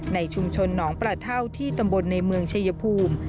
ในชุมชนหนองประเท่าที่ตำบลในเมืองชายภูมิ